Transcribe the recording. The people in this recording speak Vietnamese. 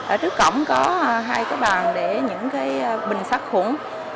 ở trước cổng có hai cái bàn để những cái bình sát khủng